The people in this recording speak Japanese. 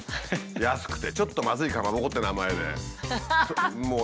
「安くてちょっとまずいかまぼこ」って名前で。